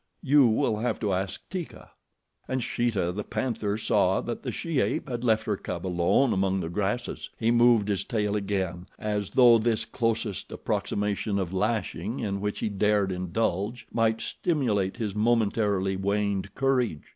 You will have to ask Teeka. And Sheeta, the panther, saw that the she ape had left her cub alone among the grasses. He moved his tail again, as though this closest approximation of lashing in which he dared indulge might stimulate his momentarily waned courage.